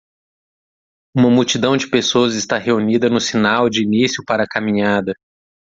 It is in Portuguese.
Uma multidão de pessoas está reunida no sinal de início para a caminhada.